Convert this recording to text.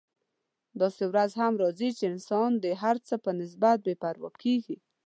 داسې ورځ هم راځي چې انسان د هر څه په نسبت بې پروا کیږي.